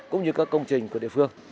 cũng như các công trình của địa phương